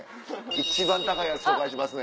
一番高いやつ紹介しますね。